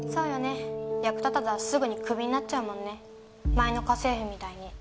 前の家政婦みたいに。